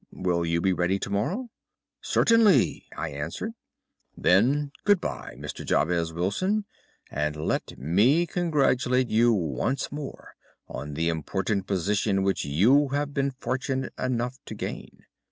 Will you be ready to morrow?' "'Certainly,' I answered. "'Then, good bye, Mr. Jabez Wilson, and let me congratulate you once more on the important position which you have been fortunate enough to gain.